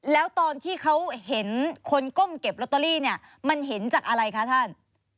แล้วตอนที่เขาเห็นคนก้มเก็บลอตเตอรี่เนี่ยมันเห็นจากอะไรคะท่าน